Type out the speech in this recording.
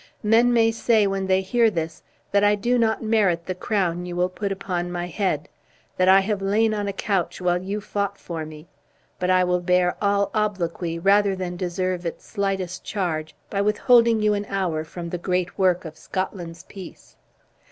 Men may say when they hear this, that I do not merit the crown you will put upon my head; that I have lain on a couch while you fought for me; but I will bear all obloquy rather than deserve its slightest charge, by withholding you an hour from the great work of Scotland's peace."